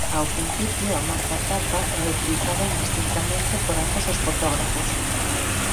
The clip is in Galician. Ao principio a marca «Capa» era utilizada indistintamente por ambos os fotógrafos.